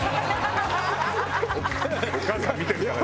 お母さん見てるからね。